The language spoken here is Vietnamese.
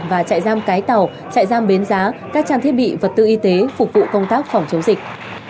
và chạy giam cái tàu chạy giam bến giá các trang thiết bị vật tư y tế phục vụ công tác phòng chống dịch